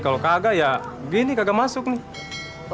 kalau kagak ya begini kagak masuk nih